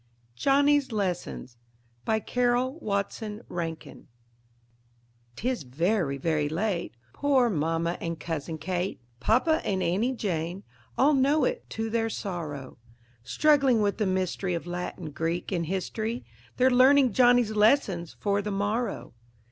JOHNNY'S LESSONS BY CARROLL WATSON RANKIN 'Tis very, very late; poor mamma and Cousin Kate, Papa and Aunty Jane, all know it to their sorrow. Struggling with the mystery of Latin, Greek, and history, They're learning Johnny's lessons for the morrow.